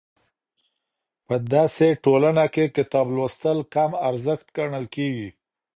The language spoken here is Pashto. په دسې ټولنه کې کتاب لوستل کم ارزښت ګڼل کېږي.